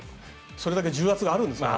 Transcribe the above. それだけ重圧があるんですかね。